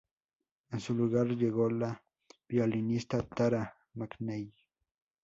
En su lugar llegó la violinista Tara McNeill.